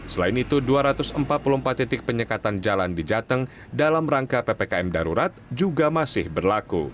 selain itu dua ratus empat puluh empat titik penyekatan jalan di jateng dalam rangka ppkm darurat juga masih berlaku